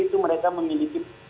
itu mereka memiliki